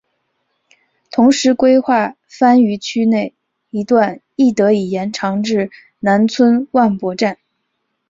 同时规划番禺区内一段亦得以延长至南村万博站。